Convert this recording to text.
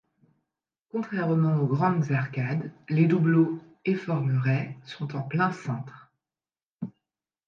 Contrairement aux grandes arcades, les doubleaux et formerets sont en plein cintre.